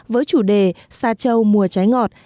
với chủ đề sa châu mùa trái ngọt